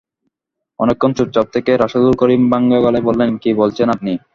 অনেকক্ষণ চুপচাপ থেকে রাশেদুল করিম ভাঙা গলায় বললেন, কী বলছেন আপনি?